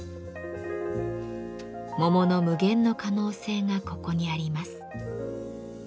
桃の無限の可能性がここにあります。